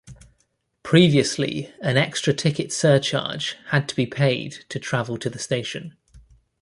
Previously an extra ticket surcharge had to be paid to travel to the station.